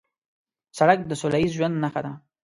سړک د سولهییز ژوند نښه ده.